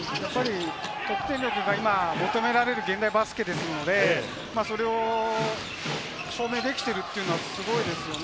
得点力が求められる現代バスケなので、それを証明できているのはすごいですよね。